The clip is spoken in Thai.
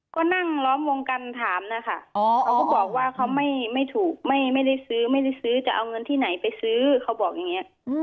ก็นั่งล้อมวงกันถามนะคะเขาก็บอกว่าเขาไม่ถูกไม่ได้ซื้อไม่ได้ซื้อจะเอาเงินที่ไหนไปซื้อเขาบอกอย่างนี้